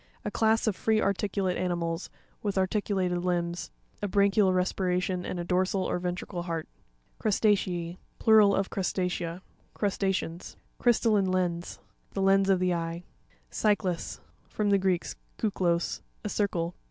A class of free articulate animals, with arti culated limbs, a branchial respi ration and a dorsal or ventrical heart. Crusta'ce&.— Plural of Crustacea. Crusta'ceans. Cry'sTALLINE LENS.—The lens of the eye. Cy'cias.—From the Greek, kuklos, a circle.